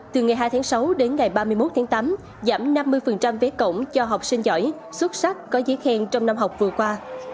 từ ngày hai tháng sáu đến ngày ba mươi một tháng tám giảm năm mươi vé cổng cho học sinh giỏi xuất sắc có giấy khen trong năm học vừa qua